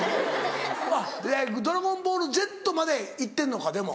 あっ『ドラゴンボールＺ』まで行ってんのかでも。